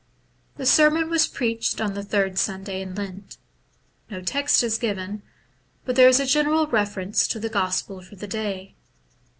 The sermon was preached on the third Sunday in Lent. No text is given, but there is a general reference to the gospel for the day.